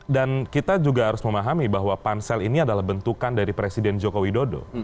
dan kita juga harus memahami bahwa pansel ini adalah bentukan dari presiden joko widodo